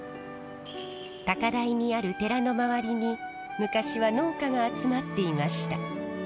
高台にある寺の周りに昔は農家が集まっていました。